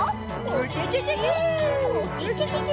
ウキキキ！